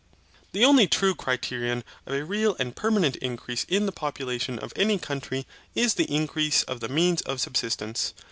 The only true criterion of a real and permanent increase in the population of any country is the increase of the means of subsistence.